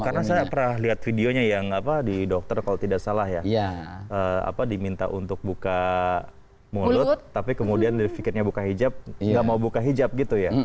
karena saya pernah lihat videonya yang di dokter kalau tidak salah ya diminta untuk buka mulut tapi kemudian dia pikirnya buka hijab nggak mau buka hijab gitu ya